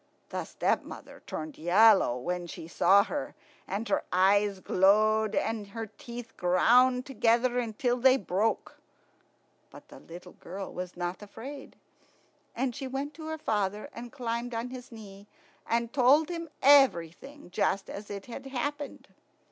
The stepmother turned yellow when she saw her, and her eyes glowed, and her teeth ground together until they broke. But the little girl was not afraid, and she went to her father and climbed on his knee, and told him everything just as it had happened.